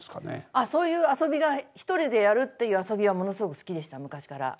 あっそういう遊びが一人でやるっていう遊びはものすごく好きでした昔から。